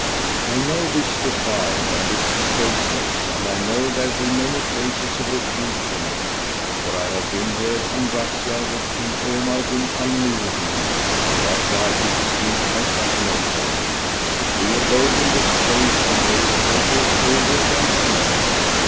I know this defile and its straitness, and I know there be many places of refuge in it; for I have been here on razzia with King Omar bin al Nu'uman, what while we besieged Constantinople. We abode in this place, and here is water colder than snow.